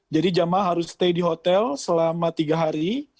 jadi jamaah harus stay di hotel selama tiga hari